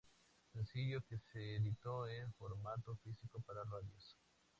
Sencillo que se editó en formato físico para radios.